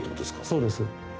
そうです。